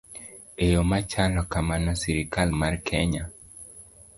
E yo machalo kamano, sirkal mar Kenya